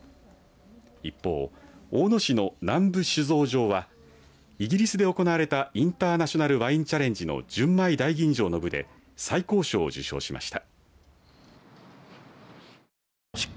一方、大野市の南部酒造場はイギリスで行われたインターナショナル・ワイン・チャレンジの純米大吟醸の部で最高賞を受賞しました。